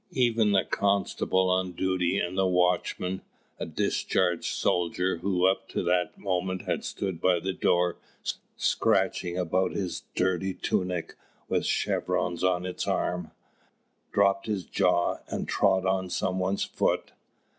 Even the constable on duty and the watchman, a discharged soldier who up to that moment had stood by the door scratching about his dirty tunic, with chevrons on its arm, dropped his jaw and trod on some one's foot.